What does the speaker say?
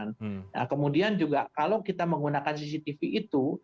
nah kemudian juga kalau kita menggunakan cctv itu